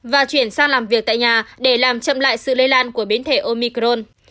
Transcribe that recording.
và chuyển sang làm việc tại nhà để làm chậm lại sự lây lan của biến thể omicron